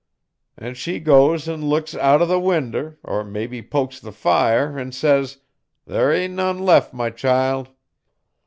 'An' she goes an' looks out O' the winder, er mebbe pokes the fire, an' says: "There am' none left, my child."